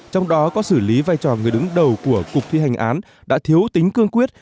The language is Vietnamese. trong đó có xử lý vai trò người đứng đầu của cục thi hành án đã thiếu tính cương quyết